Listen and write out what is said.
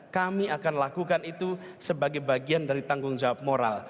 kami akan lakukan itu sebagai bagian dari tanggung jawab moral